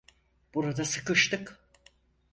Burada sıkıştık.